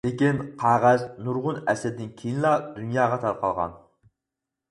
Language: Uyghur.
لېكىن قەغەز نۇرغۇن ئەسىردىن كېيىنلا دۇنياغا تارقالغان.